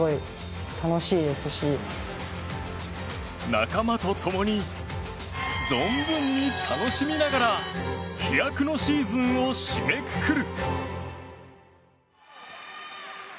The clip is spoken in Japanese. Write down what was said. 仲間と共に存分に楽しみながら飛躍のシーズンを締めくくる。